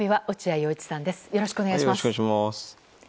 よろしくお願いします。